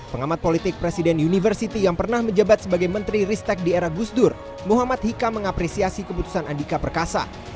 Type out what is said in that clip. pengamat politik presiden university yang pernah menjabat sebagai menteri ristek di era gusdur muhammad hikam mengapresiasi keputusan andika perkasa